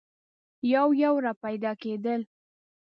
یو یو را پیدا کېدل.